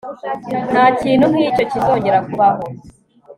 Ntakintu nkicyo kizongera kubaho